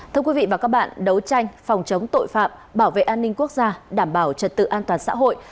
thưa quý vị và các bạn đấu tranh phòng chống tội phạm bảo vệ an ninh quốc gia đảm bảo trật tự an toàn xã hội